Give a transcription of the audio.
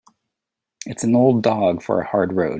It's an old dog for a hard road.